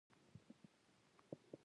له قانون پرته څوک مجازات کیدای نه شي.